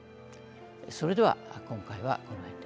それでは今回はこのへんで。